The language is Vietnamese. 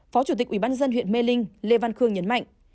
phó chủ tịch ubnd huyện mê linh lê văn khương nhấn mạnh